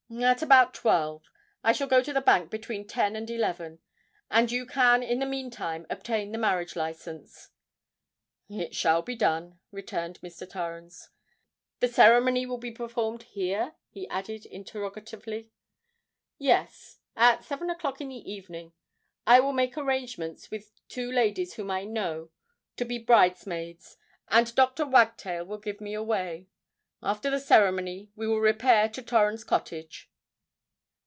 "At about twelve. I shall go to the bank between ten and eleven; and you can in the meantime obtain the marriage license." "It shall be done," returned Mr. Torrens. "The ceremony will be performed here?" he added interrogatively. "Yes—at seven o'clock in the evening. I will make arrangements with two ladies whom I know, to be bridesmaids, and Dr. Wagtail will give me away. After the ceremony we will repair to Torrens Cottage."